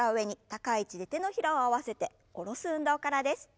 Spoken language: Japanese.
高い位置で手のひらを合わせて下ろす運動からです。